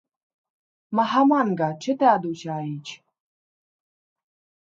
Maham Anga, ce te aduce aici?